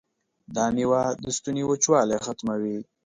دا میوه د ستوني وچوالی ختموي.